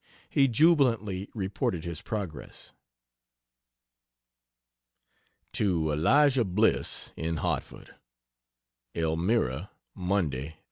He jubilantly reports his progress. To Elisha Bliss, in Hartford: ELMIRA, Monday.